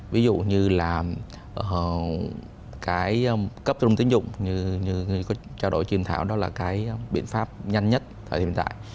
ví dụ như là cái cấp trung tín dụng như người có trao đổi chuyên thảo đó là cái biện pháp nhanh nhất thời hiện tại